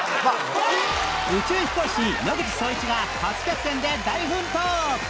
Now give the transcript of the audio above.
宇宙飛行士野口聡一が初キャプテンで大奮闘！